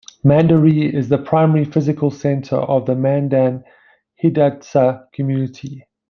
Mandaree is the primary physical center of the Mandan-Hidatsa community.